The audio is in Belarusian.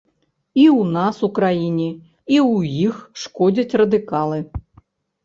І ў нас у краіне, і ў іх шкодзяць радыкалы.